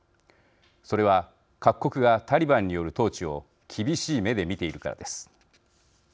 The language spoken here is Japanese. それは各国がタリバンによる統治を厳しい目で見ているからです。